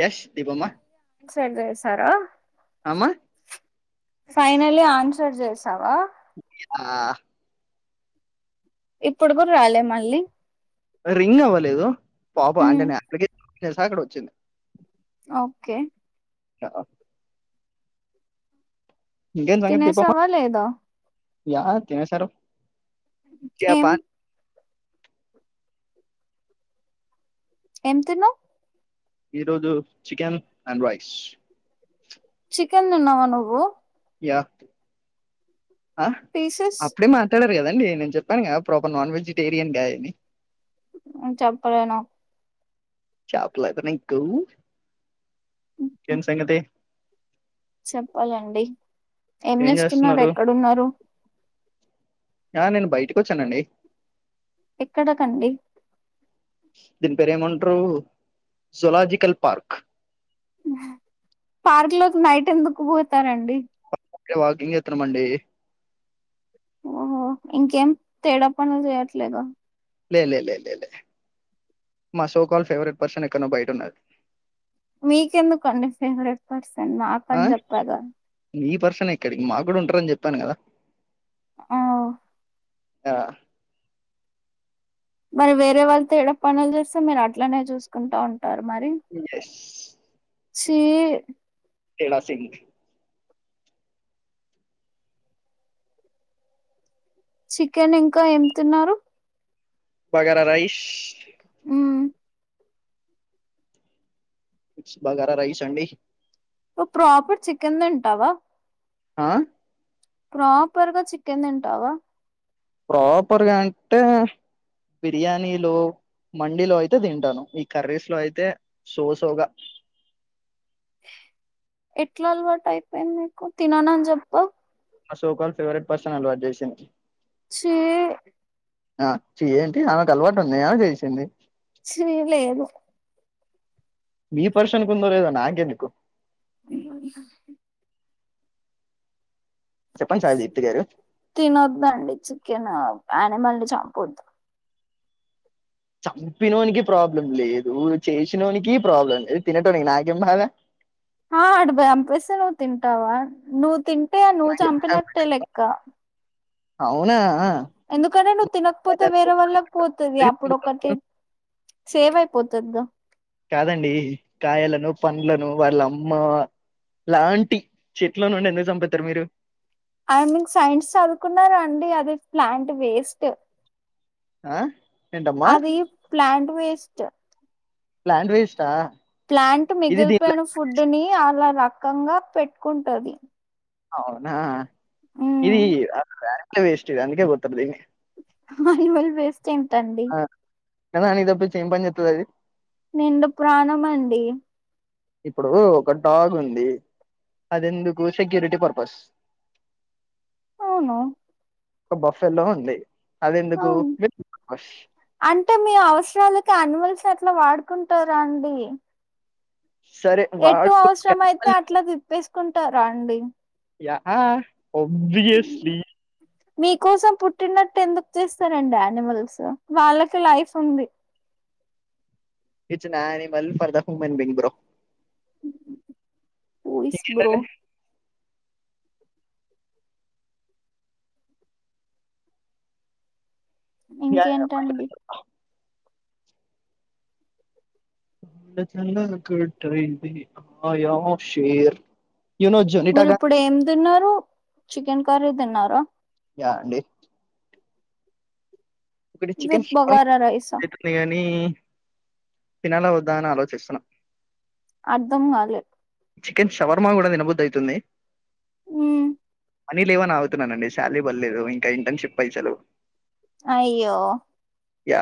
యష్ దీపమ్మా [unintelligible] చేశారా అమ్మ ఫైనల్లీ ఆన్ చే కట్ చేస్ సావా ఆ ఇప్పుడు కూడా రాలే మళ్ళీ రింగ్ అవ్వలేదు పాపం అంటే ఉమ్ నే [unintelligible] చేసా అక్కడొచ్చింది ఓకే ఇంకేం సంగతి దీపమ్మా తినేసావా లేదా? యా తినేసాను. ఎం ఎం తిన్నవ్? ఈరోజు చికెన్ అండ్ రైస్. చికెన్ తిన్నావా నువ్వు యా ఆ పీసెస్ అప్పుడే మాట్లాడరు కదా నే నేను చెప్పాను గా ప్రాపర్ నాన్ వెజిటేరియన్ గై అని చెప్పలేను చెప్పలేదా నీకు కేం సంగతి చెప్పాలి అండి ఏం చేస్తున్నారు ఎక్కడున్నారు ఆ నేను బయటికి వచ్చాను అండి ఎక్కడక అండి దీని పేరు ఏమంట్రూ జూలాజికల్ పార్క్ పార్క్ లోకి నైట్ ఎందుకు పోతారు అండి [unintelligible] వాకింగ్ చేస్తానం అండి ఓహో ఇంకేం తేడా పనులు చేయట్లేగా లే లే లే లే లే మా షో కాల్ పర్సన్ ఎక్కన బయట ఉన్నది మీకెందుకు అండి ఫేవరెట్ పర్సన్ ఆ [unintelligible] చెప్పగా ఈ పర్సన్ ఇక్కడికి మాకు కూడా ఉంటారని చెప్పాను కదా ఆ ఆ మరి వేరే వాళ్ళు తేడా పనులు చేస్తే మీరు అట్లనే చూసుకుంటా ఉం యెస్ చీ తేడా సింగ్ చికెన్ ఇంకా ఏం తిన్నారు భగారా రైస్ మ్మ్ భగారా రైస్ అండి ను ప్రాపర్ చికెన్ తింటవా ఆ ప్రాపర్ గా చికెన్ తింటవా ప్రాపర్ గా అంటే బిర్యానీలు మండిలో అయితే తింటాను ఈ కర్రీస్ లో అయితే సో సో గా. ఎట్ల అలవాటు అయిపోయింది నీకు తినను అని చెప్పావ్. మా సో కాల్ ఫేవరెట్ పర్సన్ అలవాటు చేసింది. చీ ఆ చీ ఏంటి ఆమెకు అలవాటు ఉంది ఆమె చేసింది. చీ లేదు. మీ పర్సన్ కు ఉందో లేదో నాకు ఎందుకు. చెప్పండి సాయి దీప్తి గారు తినొద్దండి చికెన్ యానిమల్ ని చం ఒద్దు చంపినోనికి ప్రాబ్లం లేదు, చేసినోనికి ప్రాబ్లం లేదు, తినటోనికి నాకేం బాధ. ఆ అడు బంపిస్తే నువ్వు తింటావా నువ్ తిం టే నువ్వు నాకు చెప్పిన చంపినట్టే లెక్క. అవునా ఎందుకంటే నువ్వు తినకపోతే వేరే వాళ్ళకి పోతది అప్పుడు ఒకరికే సేవైపోతది గా కాదండి కాయలను, పండ్లను, వాళ్ళ అమ్మ లాంటి చెట్ల నుండి ఎందుకు చంపేత్తరు మీరు? ఐ మీన్ సైన్స్ చదువుకున్నార అండి అది ప్లాంట్ వేస్ట్ ఆ ఏంటమ్మా అది ప్లాంట్ వేస్ ట్ ప్లాంట్ వెస్టా ప్లాంట్ మిగిలిపోయిన ఫుడ్ ని అలా రకంగా పెట్టుకుంటది అవునా ఇదీ ఉమ్ [inaudible] డ వెస్ట్ అందుకే గొడ్తర్ దీన్ని మహిమల్ వేస్ స్టేటండి తినడానికి తప్పిచి ఏం పని చేత్తది అది. నిండు ప్రాణం అండి. ఇప్పుడు ఒక డాగ్ ఉంది అది ఎందుకు సెక్యూరిటీ పర్పస్. అవును ఓ బఫెల్లో ఉంది అదెందుకు ఆవు పర్పస్ అంటే మీ అవసరాలకి అనిమల్స్ ఎట్లా వాడుకుంటారండి సరే ఎటు వాడు అవసరం అయితే అట్లా తిప్పిస్ కొంటారా అండి యహ విజయ శ్రీ మీకోసం పుట్టినట్టు ఎందుకు చేస్తారండి ఆ నిమల్స్ వాళ్ళకి లైఫ్ ఉంది ఇ చిన్న animal for the human being bro who is bro ఇంకేంటండి అంద చందాల కుట్టయిందిఆయా షేర్ యూనోజ్ న్ మీరు నీటగా ఇప్పుడు ఏం తిన్నారు చికెన్ కర్రీ తిన్నారా యా అండి మీరు చికెన్ విత్ శుభ్రం బగారా రైసా [inaudible] హ్మ్ తినాల వద్దా అని ఆలోచిస్తున్నా. అర్థం గాలె చికెన్ షవర్మ కూడా తినబుద్దైతుంది. హ్మ్ మనీ లేవని ఆగుతున్నానండి. శాలరీ పడ్లేదు ఇంకా ఇంటర్న్షిప్ పైసలు అయ్యో యా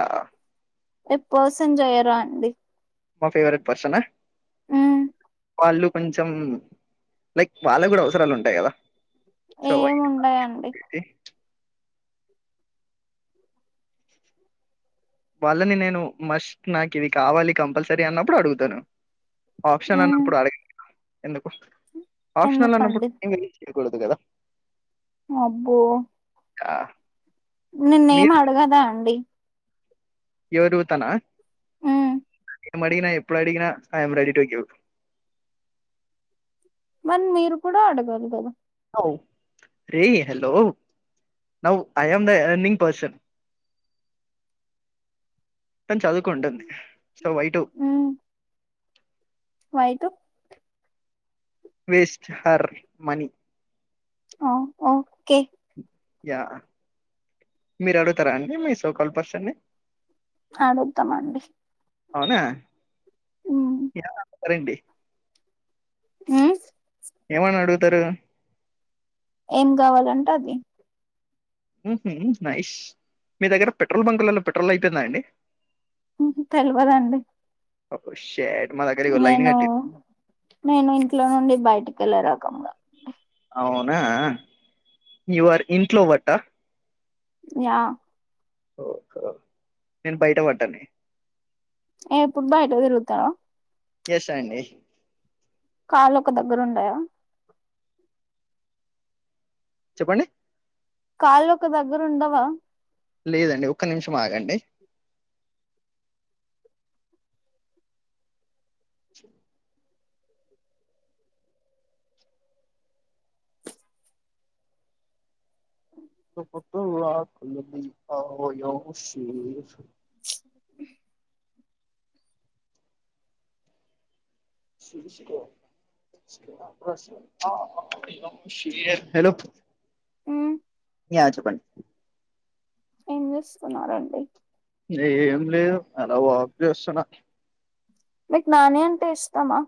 ఎ పర్సన్ జెయ్యరా అండి మా ఫేవరెట్ పర్సన్ ఆ హ్మ్ వాళ్ళు కొంచెం లైక్ వాళ్ళక్ కూడా అవసరాలు ఉంటాయి కదా సో ఏముండాయండి వాళ్ళని నేను మస్ట్ నాకు ఇవి కావాలి కంపల్సరీ అన్నప్పుడు అడుగుతాను. ఆప్షన్ మ్మ్ అన్నప్పుడు అడగాలి ఎందుకు ఆప్షనల్ అన్నప్పుడు ఎందుకండి ఏందది తీయకూడదు కదా. అబ్బో ఆ నిన్నేం అడగదా అండి ఎవరూ తనా మ్మ్ ఎం అడిగినా ఎప్పుడు అడిగినా I am ready to give మరి మీరు కూడా అడగాలి కదా రే hello now I'm the earning person తను చదువుకుంటుంది so white why to waste her money ఓ ఓకే యా మీరు అడుగుతారా అండి మీ సో కాల్ పర్సని అడుగుతామండి అవునా మ్మ్ ఎం అడుగుతారండి మ్ ఏమని అడుగుతారు ఏం కావాలంటే అది ఊహూ నైస్ మీ దగ్గర పెట్రోల్ బంకులల్లో పెట్రోల్ అయిపోయిందా అండి ఊహు తెల్వదండి ఓ షేట్ మా దగ్గర ఇగో లైన్ నేను కట్టిరు నేను ఇంట్లో నుండి బయటికెళ్లరా అవునా యువర్ ఇంట్లో వట్టా యా ఓహో నేను బయట వట్టండి ఎప్పుడూ బయట తిరుగుతార ఎస్ అండి కాలు ఒక దగ్గర ఉండయా చెప్పండి కాళ్ళు ఒక దగ్గర ఉండవా లేదండి, ఒక్క నిమిషం ఆగండి పొట్టు పొట్టు ఆకలుంది ఆయా షేర్ [unintelligible] ఆయా షేర్ హలో మ్మ్ యా చెప్పండి ఏం చేస్తున్నారండి ఏ ఏం లేదు అలా వాక్ చేస్తున్నా మీకు నానీ అంటే ఇష్టమా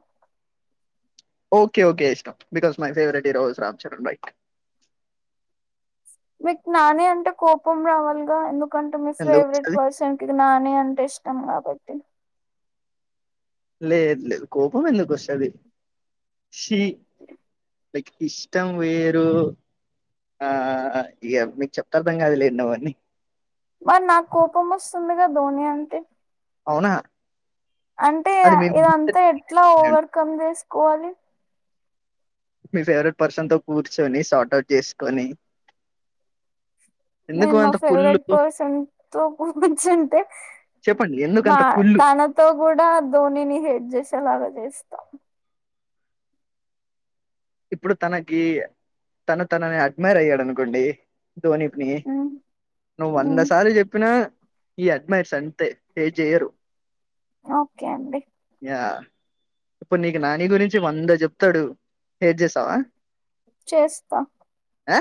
ఓకే ఓకే ఇష్టం, because my favourite hero is Ram Charan right మీకు నానీ అంటే కోపం రావాలిగా ఎందుక్ కంటే మీ ఎందుకు ఫేవరెట్ వస్తది పర్సన్ కి నానీ అంటే ఇష్టం కాబట్టి లేదు లేదు కోపం ఎందుకోస్తాది షి మీకు ఇష్టం వేరు ఆ ఇ మీకు చెప్తే అర్ధంకాదు లేండి అవ్వన్నీ మరి నాకు కోపం వస్తుందిగా ధోని అంటే అవునా అంటే ఆ అది మీ ఎంత ఎట్లా ఓవర్కమ్ చేసు కూలిన్ మీ ఫేవరెట్ పర్సన్ తో కూర్చొని షార్ట్ అవుట్ చేసుకొని నేను ఎందుకు మా అంత ఫేవరెట్ కుళ్ళు పర్సన్ తో కూర్చుంటే చెప్పండి మా ఎందుకంత కుళ్ళు తనతో కూడా ధోనిని హేట్ జె తేలార చేస్తా ఇప్పుడు తనకి తన తనని అడ్మైర్ అయ్యాడునుకోండి ధోనిపుని మ్మ్ నువ్వు వంద మ్మ్ సార్లు చెప్పినా హా అడ్మైర్ అంతే ఎ చేయరు ఓకే అండి ఆ ఇప్పుడు నీకు నాని గురించి వంద చెప్తడు ఏటుచేస్తావా చేస్తా ఆ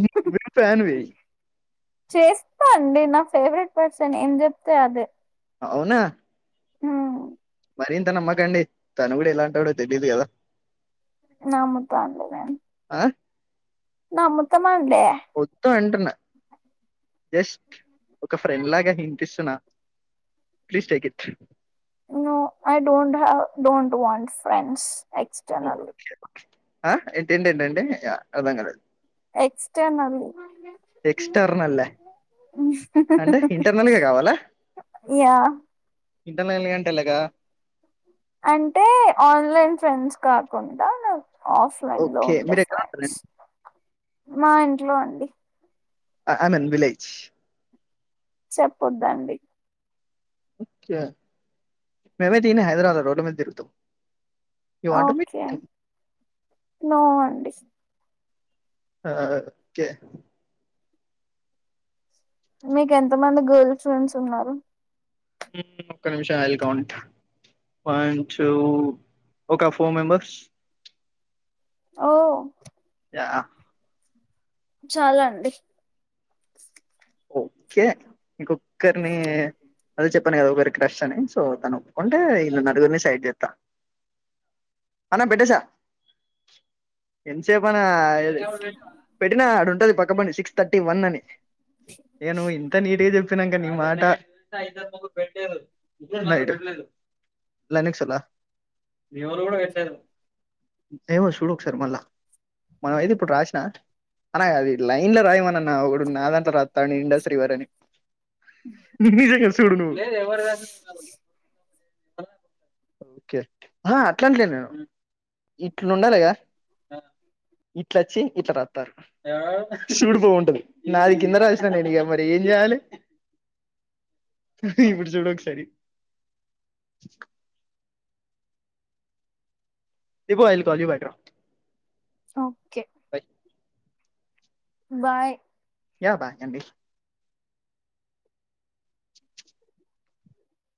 మీ వి ఫ్యాన్ వీ చేస్తా నేన నా ఫేవరెట్ పర్సన్ ఏం చెప్తే అదే అవునా ఊ మరింత నమ్మకండి తను కూడా ఎలాంటోడో తెలిదు కదా నమ్ముతాను లే గని ఆహ్ నా ముత్తం మొత్తం ఇటున్న జస్ట్ ఒక ఫ్రెండ్ లాగే ఇనిపిస్తున్నా please take it no I don't have don't want friends external ఆ ఏంటి ఏంటి ఏంటి అంటే య అర్థం కాలే ఎక్స్టర్నల్ హ్ ఎక్స్టర్నల్ హ్ హ్ అంటే హ్ ఇంటర్నల్ గా కావాలా హ్ యా ఇంటర్నల్ గా అంటే ఎలాగా అంటే ఆన్లైన్ ఫ్రెండ్స్ కాకుండా లైక్ ఆఫ్లైన్ లో ఓకే. ఉండే మీరెక్కడ ఫ్రెండ్స్ ఉంటారండి? మా ఇంట్లో అండి ఆ ఐ మీన్ విలేజ్ చెప్పొద్దండి ఓకే మేమైతే ఈన్నే హైదరాబాద్లో రోడ్లమీద తిరుగుతం ఓకే నో అండి ఆ ఓకే మీకు ఎంత మంది గర్ల్స్ ఫ్రెండ్స్ ఉన్నారు ఒక్క నిమిషం ఐల్ కౌట్ వన్ టూ ఒక ఫోర్ మెంబర్స్ ఓ య చాలా అండి ఓ పెట్టినా ఆడుంటది పక్క బండీ సిక్స్ తర్టీ వన్ అని నేను ఇంత నీటుగా చెప్ [unintelligible] తని ఇండ శ్రీవరని నీకు నిజంగా చూడు నువ్వు ఓకే అట్లాంటలే నేను ఇట్లు ఉండాలిగా ఇట్ల వచ్చి ఇట్లా రాస్తారు చూడిపోంటది నాది కింద రా నేను ఇక మరి ఏం చేయాలి ఇప్పుడు చూడ ఒకసారి Deepu I will call you back ర ఓకే బాయ్ యా బాయ్ అండి